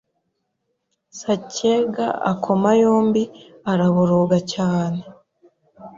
Sacyega akoma yombi araboroga cyane